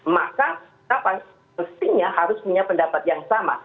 maka kita pasti harus punya pendapat yang sama